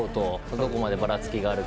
どこまでばらつきがあるか